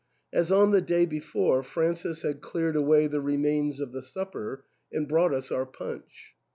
As on the day before, Francis had cleared away the remains of the supper, and brought us our punch.